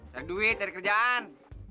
cari duit cari kerjaan